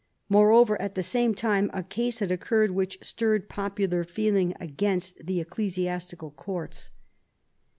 Moreover, at the same time a case had occurred which stirred popular feeling against the ecclesi • astical courts.